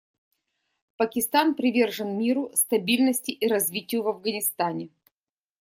Пакистан привержен миру, стабильности и развитию в Афганистане.